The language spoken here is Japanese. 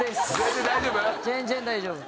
全然大丈夫？